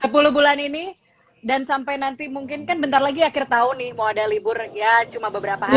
mau ada libur ya cuma beberapa hari sih